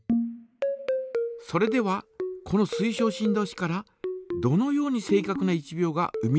それではこの水晶振動子からどのように正かくな１秒が生み出されているのか。